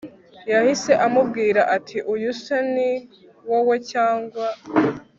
yahise amubwira ati uyu se ni wowe cyangwa